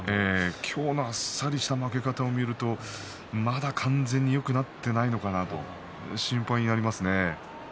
今日のあっさりした負け方を見ると、まだ完全によくなっていないのかなと心配になりますね。